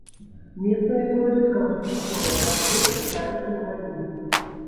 Месцамі пройдуць кароткачасовыя дажджы, чакаюцца навальніцы.